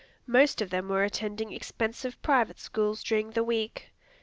Most of them were attending expensive private schools during the week.